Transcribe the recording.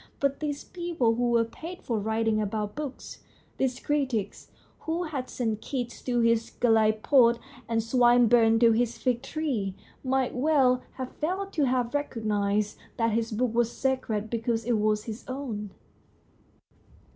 But these people who were paid for writing about books, these critics who had sent Keats to his galli pots and Swinburne to his fig tree, might well THE STORY OF A BOOK 133 have failed to have recognised that his book was sacred, because it was his own.